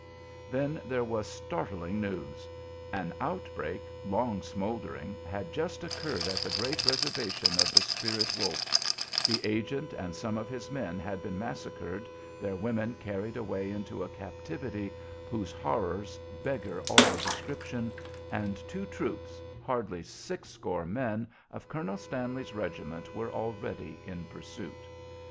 Then there was startling news! An outbreak, long smouldering, had just occurred at the great reservation of the Spirit Wolf; the agent and several of his men had been massacred, their women carried away into a captivity whose horrors beggar all description, and two troops hardly sixscore men of Colonel Stanley's regiment were already in pursuit.